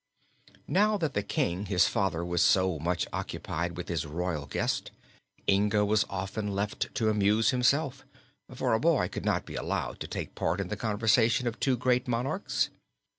Now that the King, his father, was so much occupied with his royal guest, Inga was often left to amuse himself, for a boy could not be allowed to take part in the conversation of two great monarchs.